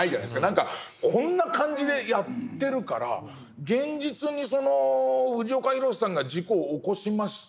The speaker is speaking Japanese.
何かこんな感じでやってるから現実にその藤岡弘、さんが事故起こしました。